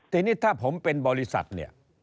ทีนี้ถ้าผมเป็นบริษัทเนี่ย